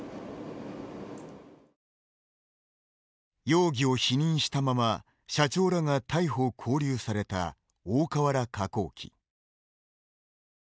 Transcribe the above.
容疑を否認したまま、社長らが逮捕・勾留された大川原化工機。